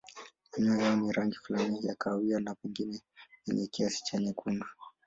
Manyoya yao ni rangi fulani ya kahawia na pengine yenye kiasi cha nyekundu.